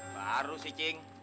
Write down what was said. baru sih cing